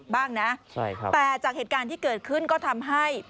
บ้างนะแต่จากเหตุการณ์ที่เกิดขึ้นก็ทำให้